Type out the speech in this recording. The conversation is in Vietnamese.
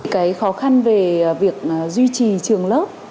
cái khó khăn về việc duy trì trường lớp